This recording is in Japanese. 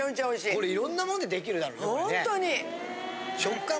これいろんなもんでできるだろねこれね。